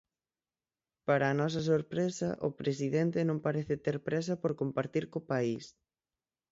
Para a nosa sorpresa, o presidente non parece ter présa por compartir co país.